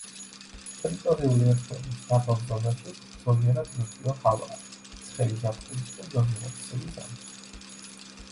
ტერიტორიული ერთეულის დაბალ ზონაში ზომიერად ნოტიო ჰავაა, ცხელი ზაფხულით და ზომიერად ცივი ზამთრით.